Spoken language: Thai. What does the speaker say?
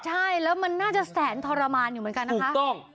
ใช่ความทรมาน